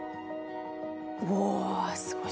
おすごい。